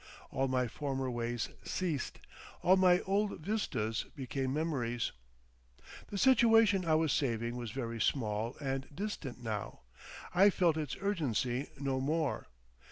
All my former ways ceased, all my old vistas became memories. The situation I was saving was very small and distant now; I felt its urgency no more.